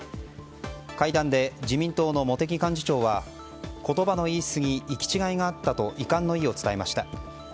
会談で自民党の茂木幹事長は言葉の言いすぎ行き違いがあったと遺憾の意を伝えました。